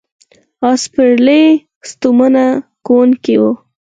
آس سپرلي ستومانه کوونکې وه.